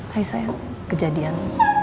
hai sayang kejadian